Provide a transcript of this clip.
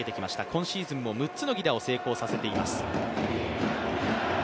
今シーズンも６つの犠打を成功させています。